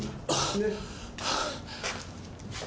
ねっ？